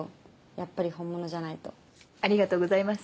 やっぱり本物じゃないとありがとうございます